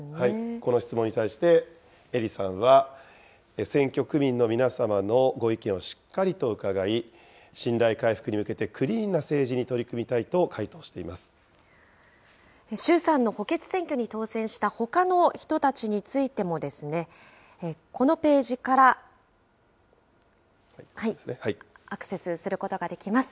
この質問に対して、英利さんは、選挙区民の皆様のご意見をしっかりと伺い、信頼回復に向けてクリーンな政治に取り組みたいと衆参の補欠選挙に当選したほかの人たちについてもですね、このページからアクセスすることができます。